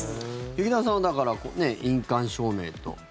劇団さんはだから印鑑証明と。